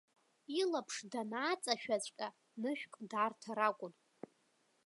Илаԥш данааҵашәаҵәҟьа нышәк дарҭар акәын.